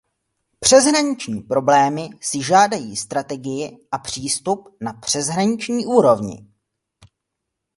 Přeshraniční problémy si žádají strategii a přístup na přeshraniční úrovni.